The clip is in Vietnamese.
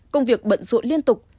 công việc bận rộn liên tục